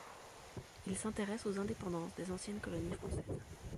Il s'intéresse aux indépendances des anciennes colonies françaises.